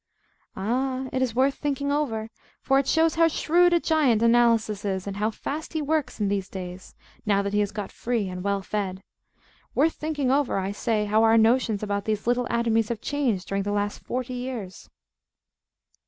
Ah! it is worth thinking over, for it shows how shrewd a giant Analysis is, and how fast he works in these days, now that he has got free and well fed; worth thinking over, I say, how our notions about these little atomies have changed during the last forty years.